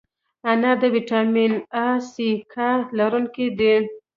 انار د ویټامین A، C، K لرونکی دی.